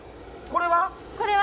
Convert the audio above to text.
これは？